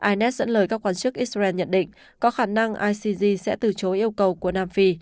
is dẫn lời các quan chức israel nhận định có khả năng icg sẽ từ chối yêu cầu của nam phi